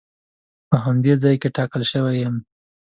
په همدې ځای ټاکل شوی یم.